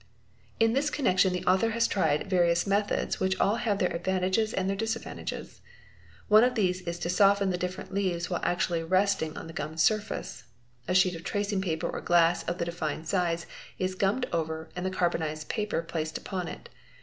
In this connection the author has tried various methods which all have their advantages and their, disadvantages. One of these is to soften the different leaves while actually resting on the gummed surface. A ~ sheet of tracing paper or glass of the desired size is gummed over and | the carbonised paper placed upon it.